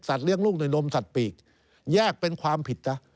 สัตว์เลี้ยงลูกหน่อยสัตว์ปีกแยกเป็นความผิด